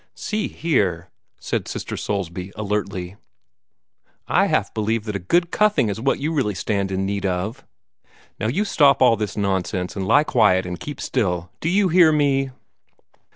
"See here," said Sister Soulsby, alertly, "I half believe that a good cuffing is what you really stand in need of. Now you stop all this nonsense, and lie quiet and keep still! Do you hear me?"